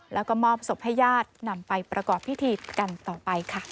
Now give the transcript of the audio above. แล้วก็มอบศพให้ญาตินำไปประกอบพิธีกันต่อไปค่ะ